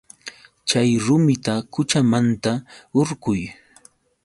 Chay rumita quchamanta hurquy.